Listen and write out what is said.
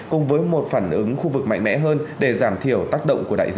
cùng với một phản ứng khu vực mạnh mẽ hơn để giảm thiểu tác động của đại dịch